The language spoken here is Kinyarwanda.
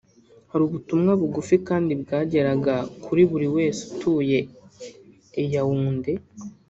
Hari ubutumwa bugufi kandi bwageraga kuri buri wese utuye i Yaoundé